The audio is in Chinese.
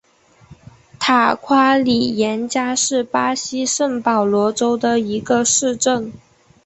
塔夸里廷加是巴西圣保罗州的一个市镇。